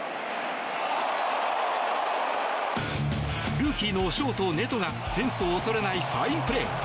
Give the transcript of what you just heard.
ルーキーのショート、ネトがフェンスを恐れないファインプレー。